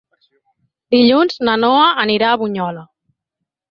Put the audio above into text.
Dilluns na Noa anirà a Bunyola.